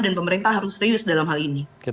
dan pemerintah harus reuse dalam hal ini